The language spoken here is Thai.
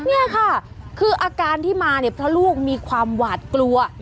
นี่ค่ะคืออาการที่มาเนี่ยเพราะลูกมีความหวาดกลัว